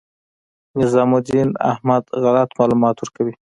نظام الدین احمد غلط معلومات ورکوي.